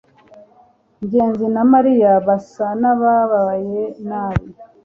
ngenzi na mariya basa n'abababaye nabi